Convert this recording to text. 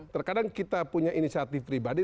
terkadang kita punya inisiatif pribadi